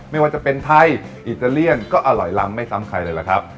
ไม่ว่าจะเป็นไทยอิตาเลียนก็อร่อยลำไม่ซ้ำใครเลยล่ะครับ